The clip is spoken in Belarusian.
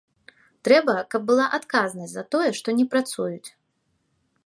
Трэба, каб была адказнасць за тое, што не працуюць.